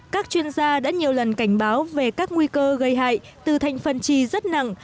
các chuyên gia đã nhiều lần cảnh báo về các nguy cơ gây hại từ thành phần chi rất nặng